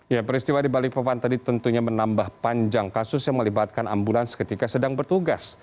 ya peristiwa di balikpapan tadi tentunya menambah panjang kasus yang melibatkan ambulans ketika sedang bertugas